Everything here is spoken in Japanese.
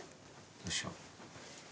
どうしよう。